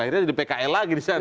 akhirnya jadi pkl lagi di sana